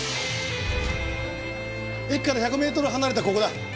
駅から１００メートル離れたここだ。